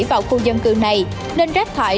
vào khu dân cư này nên rác thải